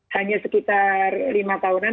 hanya sekitar lima tahunan